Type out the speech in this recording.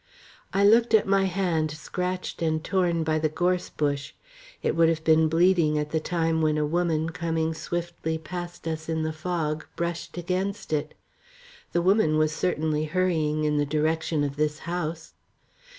I looked at my hand scratched and torn by the gorse bush. It would have been bleeding at the time when a woman, coming swiftly past us in the fog, brushed against it. The woman was certainly hurrying in the direction of this house.